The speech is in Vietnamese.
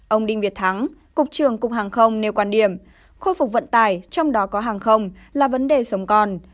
ông đinh việt thắng cục trường cục hàng không nêu quan điểm khôi phục vận tài trong đó có hàng không là vấn đề sống con